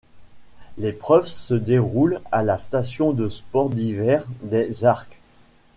L'épreuve se déroule à la station de sports d'hiver des Arcs.